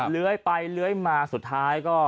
เลื้อยไปเลื้อยมาสุดท้ายก็